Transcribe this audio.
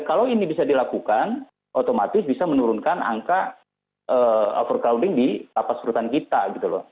kalau ini bisa dilakukan otomatis bisa menurunkan angka overcrowding di lapas rutan kita gitu loh